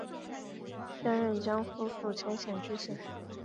担任江苏宿迁县知县。